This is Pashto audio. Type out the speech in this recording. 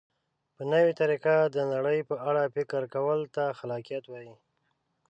په نوې طریقه د نړۍ په اړه فکر کولو ته خلاقیت وایي.